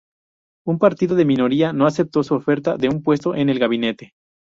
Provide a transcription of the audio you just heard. Un partido de minoría no aceptó su oferta de un puesto en el gabinete.